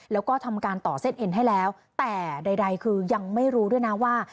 แล้วก็ทำการต่อเส้นเอ็นให้แล้วแต่ใดคือยังไม่รู้ด้วยนะว่า